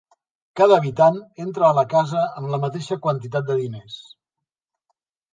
Cada habitant entra a la casa amb la mateixa quantitat de diners.